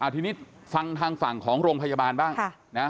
ทีนี้ฟังทางฝั่งของโรงพยาบาลบ้าง